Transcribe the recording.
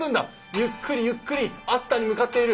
ゆっくりゆっくり熱田に向かっている。